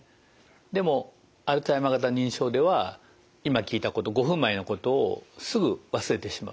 でもアルツハイマー型認知症では今聞いたこと５分前のことをすぐ忘れてしまう。